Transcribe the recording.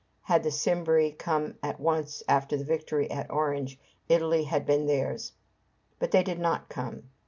Had the Cimbri come at once after their victory at Orange, Italy had been theirs. But they did not come.